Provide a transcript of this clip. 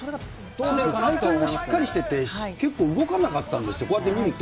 体幹がしっかりしてて、結構動かなかったんですよ、こうやって見ると。